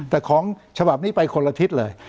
แต่ของฉบับนี้ไปคนละทิศเลย